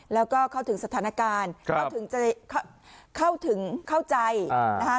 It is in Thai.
แล้วก็เข้าถึงสถานการณ์เข้าถึงเข้าใจอ่า